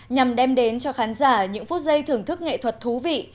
nhằm đem đến cho khán giả những phút giây thưởng thức nghệ thuật thú vị